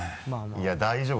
いや大丈夫？